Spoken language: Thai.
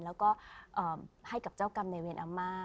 แล้วก็ให้กับเจ้ากรรมในเวรอาม่า